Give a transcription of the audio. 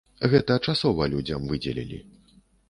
Гэта часова людзям выдзелілі.